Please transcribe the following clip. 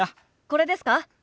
これですか？